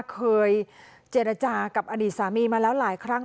เคยเจรจากับอดีตสามีมาแล้วหลายครั้ง